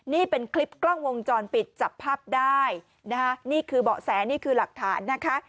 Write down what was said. นี่เป็นคลิปกล้องวงจรปิดจับภาพได้นะคะนี่คือเบาะแสนี่คือหลักฐานนะคะ